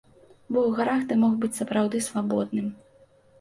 Бо ў гарах ты мог быць сапраўды свабодным.